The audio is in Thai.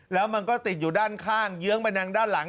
แล้วมันก็ติดอยู่ด้านข้างเยื้องไปทางด้านหลัง